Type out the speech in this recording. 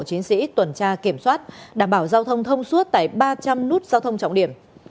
chiến sĩ tuần tra kiểm soát đảm bảo giao thông thông suốt tại ba trăm linh nút giao thông trọng điểm